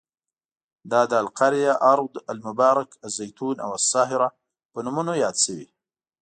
دا د القریه، ارض المبارک، الزیتون او الساهره په نومونو یاد شوی.